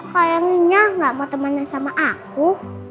kayaknya gak mau temen sama aku